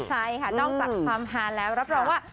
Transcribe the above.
ใช่ค่ะต้องตัดความหาแล้วรับปรองว่า